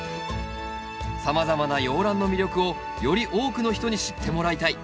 さまざまな洋ランの魅力をより多くの人に知ってもらいたい。